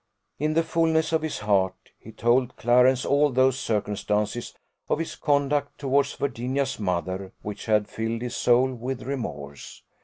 In the fulness of his heart, he told Clarence all those circumstances of his conduct towards Virginia's mother which had filled his soul with remorse.